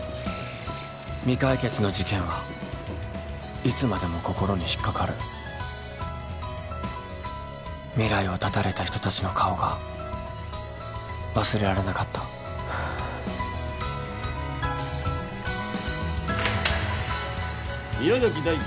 未解決の事件はいつまでも心に引っかかる未来を絶たれた人達の顔が忘れられなかった宮崎大輝